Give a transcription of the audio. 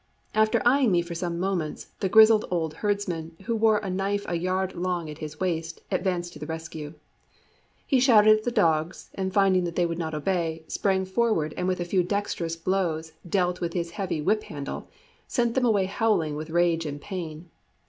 After eyeing me for some moments, the grizzled old herdsman, who wore a knife a yard long at his waist, advanced to the rescue. He shouted at the dogs, and finding that they would not obey, sprang forward and with a few dexterous blows, dealt with his heavy whip handle, sent them away howling with rage and pain.